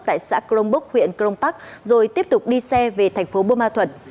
tại xã crong bốc huyện crong park rồi tiếp tục đi xe về tp bô ma thuật